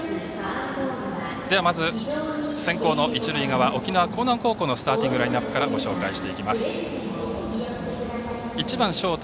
まず先攻の一塁側沖縄・興南高校のスターティングラインナップからご紹介していきます。